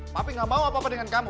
tapi gak mau apa apa dengan kamu